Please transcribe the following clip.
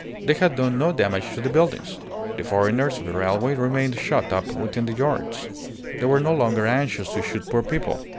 They had done no damage to the buildings. The foreigners of the railway remained shut up within the yards. They were no longer anxious to shoot poor people.